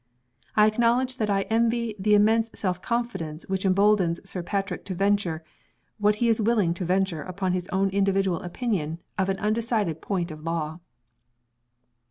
I acknowledge that I envy the immense self confidence which emboldens Sir Patrick to venture, what he is willing to venture upon his own individual opinion on an undecided point of law."